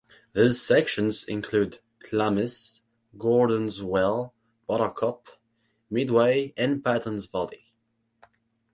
These sections include Glamis, Gordon's Well, Buttercup, Midway, and Patton's Valley.